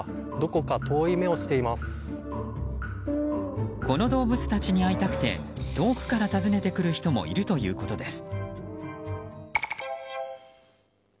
この動物たちに会いたくて遠くから訪ねてくる人もいるということです。